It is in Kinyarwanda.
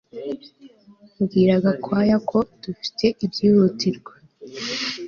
Bwira Gakwaya ko dufite ibyihutirwa